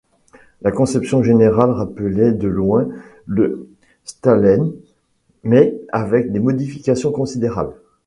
La conception générale rappelait de loin le Stahlhelm, mais avec des modifications considérables.